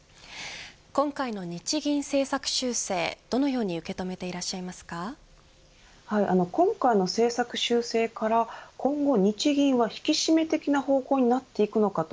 今回の日銀政策修正どのように受け止めて今回の政策修正から今後、日銀は引き締め的な方向になっていくのかと。